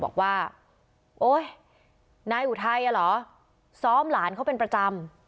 บอกว่าโอ๊ยนายอุทัยอ่ะเหรอซ้อมหลานเขาเป็นประจำ